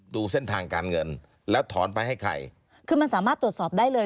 ดูเส้นทางการเงินแล้วถอนไปให้ใครคือมันสามารถตรวจสอบได้เลย